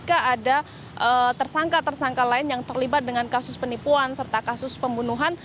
ada tersangka tersangka lain yang terlibat dengan kasus penipuan serta kasus pembunuhan